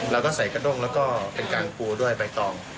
เราก็ใส่กระด้งแล้วก็เป็นการปูด้วยใบตอง